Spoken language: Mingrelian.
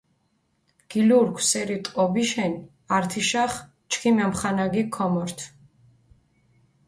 გილურქ სერით ტყობიშენ, ართიშახ ჩქიმ ამხანაგიქ ქომორთ.